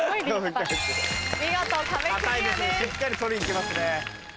しっかり取りに来ますね。